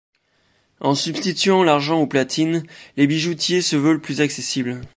En substituant l'argent au platine, les bijoutiers se veulent plus accessibles.